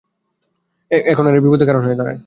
এখন এরাই বিপদের কারণ হয়ে দাঁড়ায়।